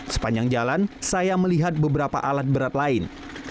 sepanjang jalan saya melihat beberapa alat berat lain